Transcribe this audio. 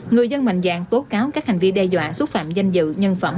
người dân mạnh dạng tố cáo các hành vi đe dọa xúc phạm danh dự nhân phẩm